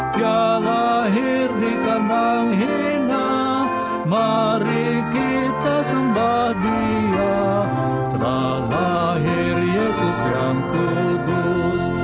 telah lahir yesus yang kudus